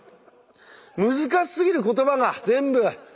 難しすぎる言葉が全部！